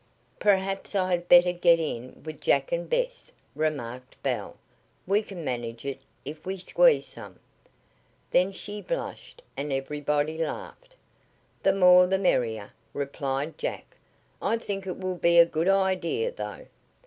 "Perhaps I had better get in with Jack and Bess," remarked Belle. "We can manage it if we squeeze some." Then she blushed, and everybody laughed. "The more the merrier," replied Jack. "I think it will be a good idea, though.